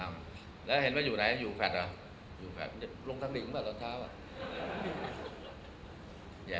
ตอนนี้ปักตัวแล้วเธอหน่ากรณ์กรุงเทพแล้วน่ะ